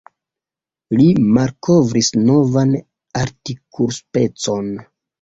Li malkovris novan urtikospecon.